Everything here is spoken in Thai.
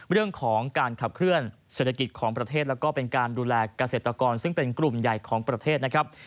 เรื่องของการขับเคลื่อนเศรษฐกิจของประเทศแล้วก็เป็นการดูแลเกษตรกรซึ่งเป็นกลุ่มใหญ่ของประเทศนะครับ